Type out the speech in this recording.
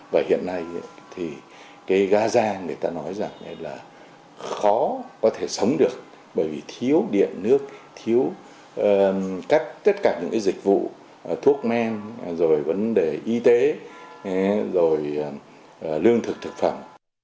và hiện nay thì cái gaza người ta nói rằng là khó có thể sống được bởi vì thiếu điện nước thiếu cắt tất cả những cái dịch vụ thuốc men rồi vấn đề y tế rồi lương thực thực phẩm